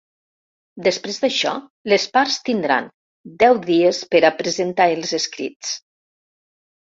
Després d’això, les parts tindran deu dies per a presentar els escrits.